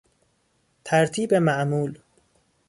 ترتیب معمول